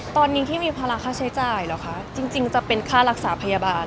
ตอนนี้ที่มีภาระค่าใช้จ่ายเหรอคะจริงจะเป็นค่ารักษาพยาบาล